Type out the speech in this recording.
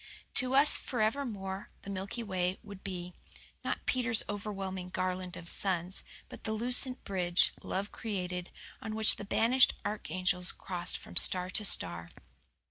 To us forevermore the Milky Way would be, not Peter's overwhelming garland of suns, but the lucent bridge, love created, on which the banished archangels crossed from star to star.